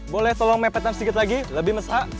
boleh tolong mepetkan sedikit lagi lebih mesra